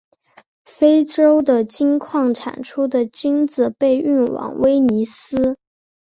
非洲的金矿产出金子被运往威尼斯。